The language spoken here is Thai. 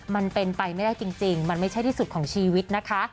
มันเป็นไปไม่ได้จริงมันไม่ใช่ที่สุดของชีวิตนะคะ